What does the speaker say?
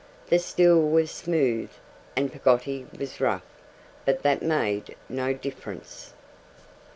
The stool was smooth, and Peggotty was rough, but that made no difference.